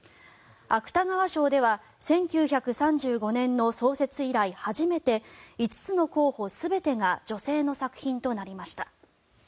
芥川賞では１９３５年の創設以来初めて５つの候補全てが女性の作品となりました。